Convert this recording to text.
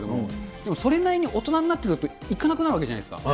でもそれなりに大人になってくると行かなくなるわけじゃないですか。